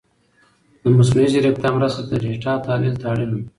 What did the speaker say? د مصنوعي ځیرکتیا مرسته د ډېټا تحلیل ته اړینه ده.